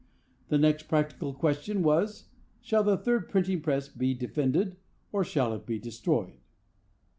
The next practical question was, Shall the third printing press be defended, or shall it also be destroyed?